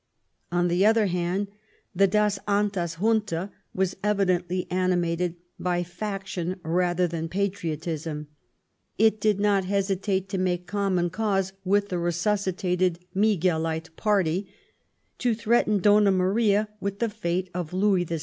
On the other hand, the Das Antas Junta was evidently animated by faction rather than patriotism ; it did not hesitate to make common cause with the resuscitated Miguelite party, to threaten Donna Maria with the fate of Louis XVI.